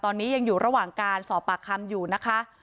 ตอนนี้ยังอยู่ระหว่างการสอบปากคำอยู่นะคะ